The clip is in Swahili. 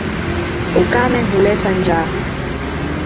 Ukame huleta njaa.